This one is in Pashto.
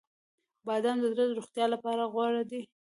• بادام د زړه د روغتیا لپاره غوره دي.